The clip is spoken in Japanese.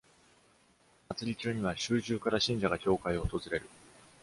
祭日には州中から信者が教会を訪れる。